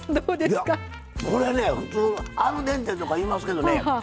いやこれね普通アルデンテとか言いますけどね